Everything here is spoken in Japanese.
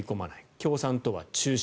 共産党は中止。